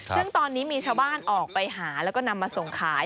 ซึ่งตอนนี้มีชาวบ้านออกไปหาแล้วก็นำมาส่งขาย